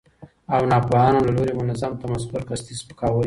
او ناپوهانو له لوري منظم تمسخر، قصدي سپکاوي،